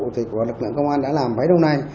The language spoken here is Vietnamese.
thì của lực lượng công an đã làm mấy hôm nay